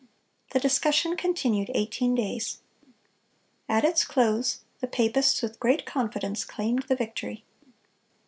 The discussion continued eighteen days. At its close, the papists with great confidence claimed the victory.